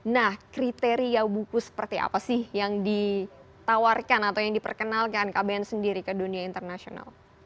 nah kriteria buku seperti apa sih yang ditawarkan atau yang diperkenalkan kbn sendiri ke dunia internasional